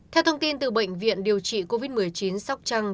theo thông tin từ bệnh viện điều trị covid một mươi chín sóc trăng